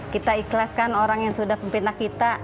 kita ikhlaskan orang yang sudah pembina kita